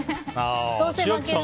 どうせ負ける。